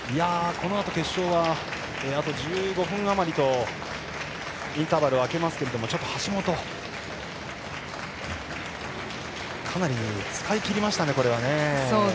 このあと決勝はあと１５分あまりのインターバルを空けますが橋本、かなり使い切りましたね。